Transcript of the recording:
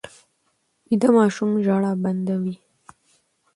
ویده ماشوم ژړا بنده وي